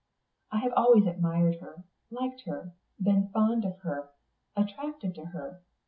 I have always admired her, liked her, been fond of her, attracted to her.